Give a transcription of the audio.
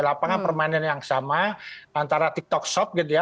lapangan permainan yang sama antara tiktok shop gitu ya